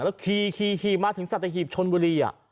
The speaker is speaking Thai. แล้วขี่มาถึงสัตหีบชนบุรี